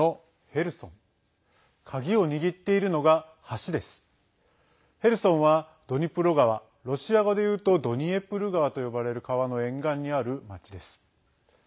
ヘルソンはドニプロ川ロシア語で言うとドニエプル川と呼ばれる川の沿岸にある町です。